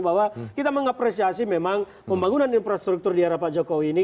bahwa kita mengapresiasi memang pembangunan infrastruktur di era pak jokowi ini